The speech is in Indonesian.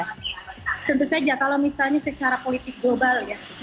tentu saja kalau misalnya secara politik global ya